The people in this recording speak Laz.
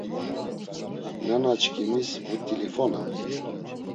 Nanaçkimis vut̆ilifonam.